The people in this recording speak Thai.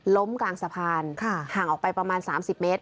ล้มกลางสะพานห่างออกไปประมาณ๓๐เมตร